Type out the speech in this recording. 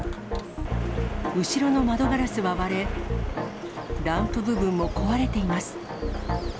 後ろの窓ガラスは割れ、ランプ部分も壊れています。